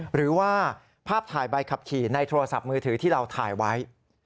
หรือว่าภาพถ่ายใบขับขี่ในโทรศัพท์มือถือที่เราถ่ายไว้